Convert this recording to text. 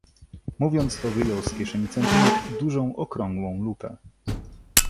"Mówiąc to wyjął z kieszeni centymetr i dużą okrągłą lupę."